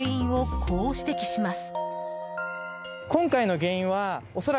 隊員は、原因をこう指摘します。